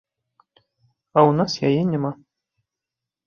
А ў нас яе няма.